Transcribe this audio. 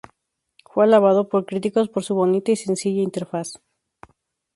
Fue alabado por críticos por su bonita y sencilla interfaz.